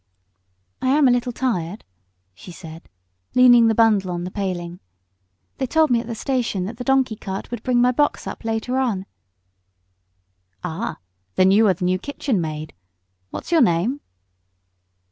"I am a bit tired," she said, leaning the bundle on the paling. "They told me at the station that the donkey cart would bring up my box later on." "Ah, then you are the new kitchen maid? What's your name?"